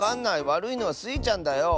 わるいのはスイちゃんだよ。